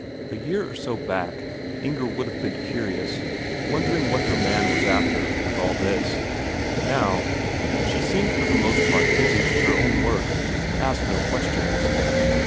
A year or so back, Inger would have been curious, wondering what her man was after with all this now, she seemed for the most part busied with her own work, and asked no questions.